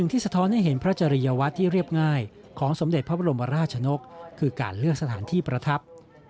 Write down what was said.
สะท้อนให้เห็นพระจริยวัตรที่เรียบง่ายของสมเด็จพระบรมราชนกคือการเลื่อนสถานที่ประทับ